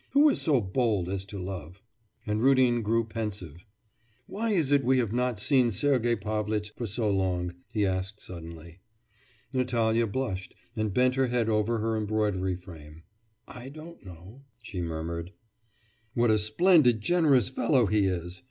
Who is so bold as to love?' And Rudin grew pensive. 'Why is it we have not seen Sergei Pavlitch for so long?' he asked suddenly. Natalya blushed, and bent her head over her embroidery frame. 'I don't know,' she murmured. 'What a splendid, generous fellow he is!